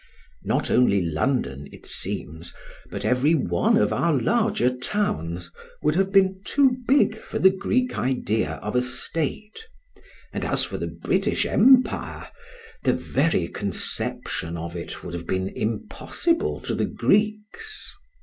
Not only London, it seems, but every one of our larger towns, would have been too big for the Greek idea of a state; and as for the British empire, the very conception of it would have been impossible to the Greeks.